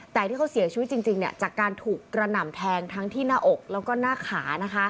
แต่ที่เขาเสียชีวิตจริงจากการถูกกระหน่ำแทงทั้งที่หน้าอกแล้วก็หน้าขา